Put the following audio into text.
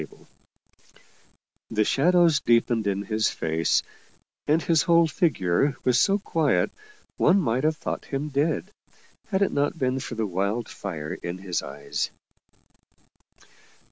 The shadows deepened in his face, and his whole figure was so quiet one might have thought him dead, had it not been for the wild fire in his eyes.